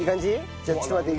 じゃあちょっと待って。